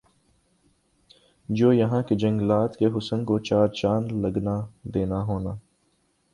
جو یَہاں کا جنگلات کےحسن کو چار چاند لگنا دینا ہونا